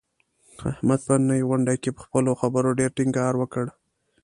احمد په نننۍ غونډه کې، په خپلو خبرو ډېر ټینګار وکړ.